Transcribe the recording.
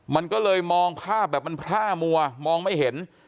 มันก็เลยมองภาพแบบมันพร่ามัวมองไม่เห็น